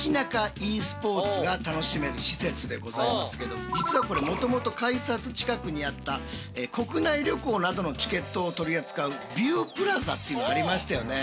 ｅスポーツが楽しめる施設でございますけど実はこれもともと改札近くにあった国内旅行などのチケットを取り扱う「びゅうプラザ」っていうのありましたよね。